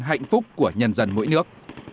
hạnh phúc của nhân dân mỗi nước